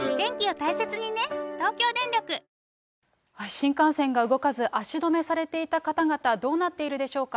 新幹線が動かず、足止めされていた方々、どうなっているでしょうか。